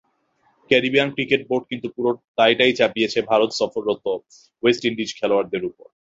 Caribbean cricket board কিন্তু পুরো দায়টাই চাপিয়েছে ভারত সফররত ওয়েস্ট ইন্ডিজ খেলোয়াড়দের ওপর।